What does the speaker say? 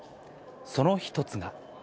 その１つが。